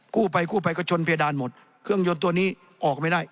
กู้ภัยก็ชนเพดานหมดเครื่องยนต์ตัวนี้ออกไม่ได้